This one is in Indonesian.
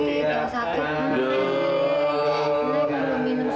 yang sakit mending